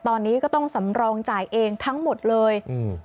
ตอนนี้ก็ต้องสำรองจ่ายเองทั้งหมดเลยอืม